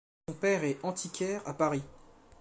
Son père est est antiquaire à Paris.